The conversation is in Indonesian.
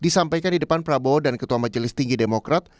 disampaikan di depan prabowo dan ketua majelis tinggi demokrat